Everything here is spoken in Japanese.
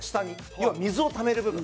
要は水をためる部分。